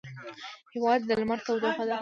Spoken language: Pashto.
هېواد د لمر تودوخه ده.